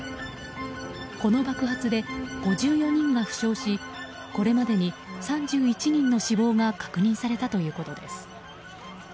この爆発で５４人が負傷しこれまでに３１人の死亡が確認されたということです。